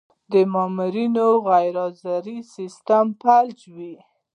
د مامورینو غیرحاضري سیستم فلجوي.